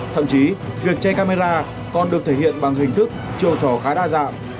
thậm chí việc che camera còn được thể hiện bằng hình thức chiều trò khá đa dạng